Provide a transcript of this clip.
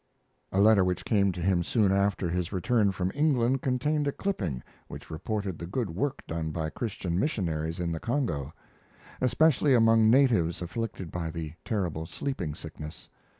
A letter which came to him soon after his return from England contained a clipping which reported the good work done by Christian missionaries in the Congo, especially among natives afflicted by the terrible sleeping sickness.